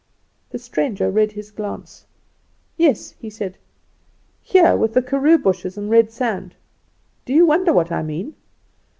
The stranger read his glance. "Yes," he said; "here with the karoo bushes and red sand. Do you wonder what I mean?